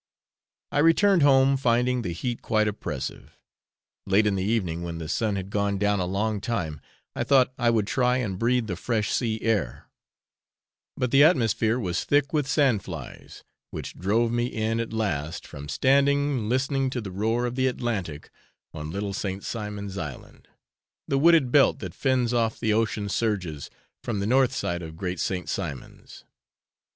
I returned home, finding the heat quite oppressive. Late in the evening, when the sun had gone down a long time, I thought I would try and breathe the fresh sea air, but the atmosphere was thick with sand flies, which drove me in at last from standing listening to the roar of the Atlantic on Little St. Simon's Island, the wooded belt that fends off the ocean surges from the north side of Great St. Simon's.